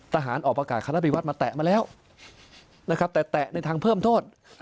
ทหารออกประกาศคณะวิวัตรมาแตะมาแล้วนะครับแต่แตะในทางเพิ่มโทษ